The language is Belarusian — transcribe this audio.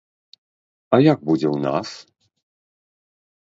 А як будзе ў нас?